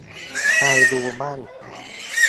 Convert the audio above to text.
ใครรู้บ้าง